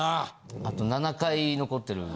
あと７回残ってるんで。